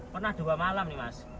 pernah dua malam nih mas